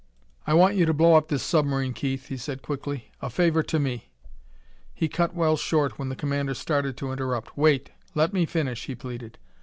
"I want you to blow up this submarine, Keith," he said quickly. "A favor to me." He cut Wells short when the commander started to interrupt. "Wait! Let me finish," he pleaded.